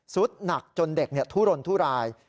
สุดหนักจนเด็กทุรนทุราย